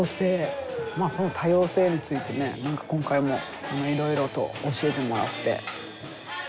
その多様性について何か今回もいろいろと教えてもらって。